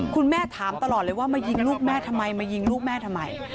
คุณแม่ถามตลอดเลยว่ามายิงลูกแม่ทำไมมายิงลูกแม่ทำไม